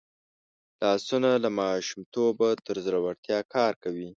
لاسونه له ماشومتوبه تر زوړتیا کار کوي